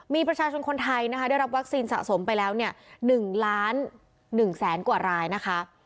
มีประชาชนคนไทยนะคะได้รับวัคซีนสะสมไปแล้วเนี่ย๑ล้าน๑แสนกว่ารายนะคะ